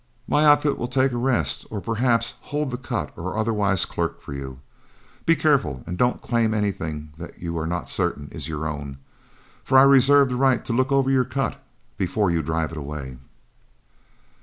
My outfit will take a rest, or perhaps hold the cut or otherwise clerk for you. But be careful and don't claim anything that you are not certain is your own, for I reserve the right to look over your cut before you drive it away."